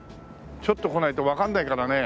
ちょっと来ないとわかんないからね。